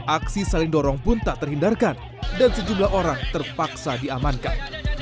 aksi saling dorong pun tak terhindarkan dan sejumlah orang terpaksa diamankan